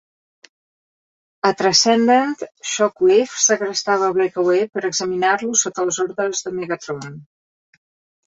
A "Transcendent", Shockwave segrestava Breakaway per examinar-lo sota les ordres de Megatron.